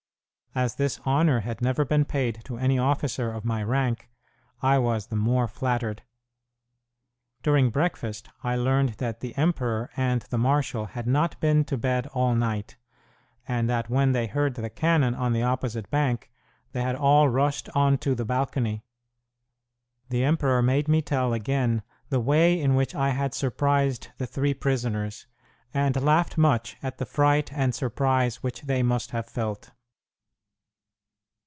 As this honor had never been paid to any officer of my rank, I was the more flattered. During breakfast I learned that the emperor and the marshal had not been to bed all night, and that when they heard the cannon on the opposite bank they had all rushed onto the balcony. The emperor made me tell again the way in which I had surprised the three prisoners, and laughed much at the fright and surprise which they must have felt.